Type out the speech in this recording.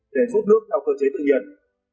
để rút nước theo cơ chế tự nhiên